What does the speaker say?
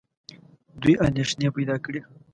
دوی اندېښنې پیدا کړې.